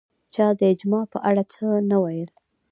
چا د اجماع په اړه څه نه ویل